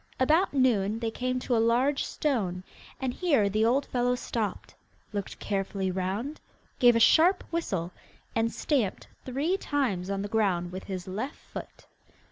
About noon they came to a large stone, and here the old fellow stopped, looked carefully round, gave a sharp whistle, and stamped three times on the ground with his left foot.